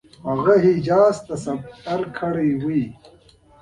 هغه حجاز ته سفر کړی وو.